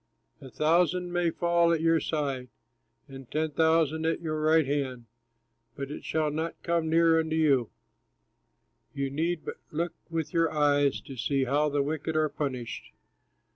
A thousand may fall at your side, And ten thousand at your right hand, But it shall not come near unto you. You need but look with your eyes, To see how the wicked are punished.